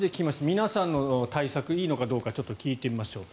皆さんの対策、いいのかどうかちょっと聞いてみましょう。